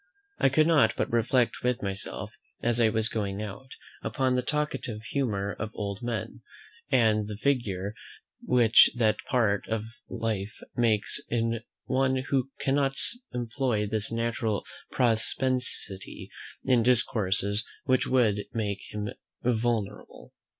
I could not but reflect with myself, as I was going out, upon the talkative humour of old men, and the little figure which that part of life makes in one who cannot employ this natural propensity in discourses which would make him venerable.